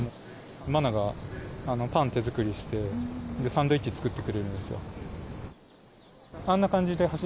真菜がパン手作りして、サンドイッチ作ってくれるんですよ。